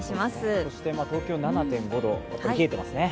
そして東京７．５度、冷えてますね。